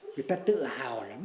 người ta tự hào lắm